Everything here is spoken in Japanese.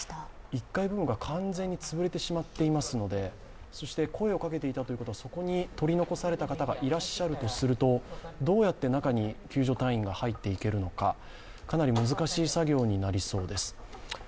１階部分が完全に潰れてしまっているので、そして声をかけていたということはそこに取り残された方がいらっしゃるとすると、どうやって中に救助隊員が入っていけるのか、かなり難しい作業になりそうです。